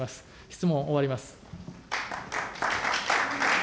質問終わります。